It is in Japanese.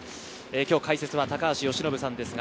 解説は高橋由伸さんです。